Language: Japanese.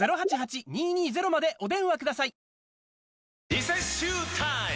リセッシュータイム！